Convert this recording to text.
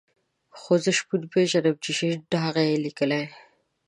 خو زه شپون پېژنم چې شين ټاغی یې لیکلی.